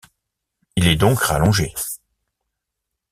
Il est donc rallongé.